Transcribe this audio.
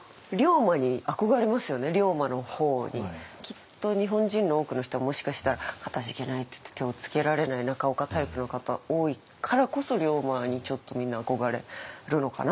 きっと日本人の多くの人はもしかしたら「かたじけない」って言って手をつけられない中岡タイプの方多いからこそ龍馬にちょっとみんな憧れるのかななんて思ったり。